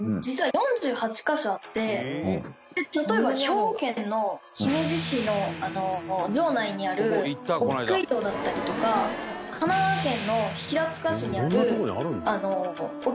例えば兵庫県の姫路市の城内にあるお菊井戸だったりとか神奈川県の平塚市にあるお菊の塚